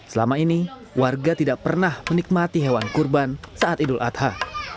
selama ini warga tidak pernah menikmati hewan kurban saat idul adha